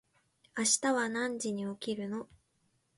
明日は何時に起きるの？